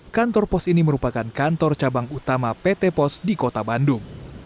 kantor pos ini merupakan kantor cabang utama pt pos di kota bandung